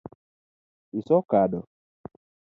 Iso kado